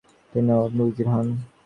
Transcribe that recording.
তিনি নবাব উজির হন।